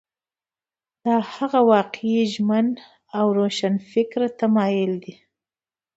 دا هغه واقعي ژمن او روښانفکره تمایل دی.